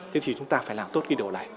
thế thì chúng ta phải làm tốt cái điều này